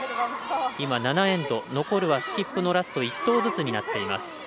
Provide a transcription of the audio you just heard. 今、７エンド残るはスキップのラスト１投ずつになっています。